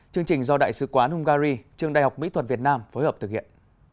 chương trình do đại sứ quán hungary trường đại học mỹ thuật việt nam phối hợp thực hiện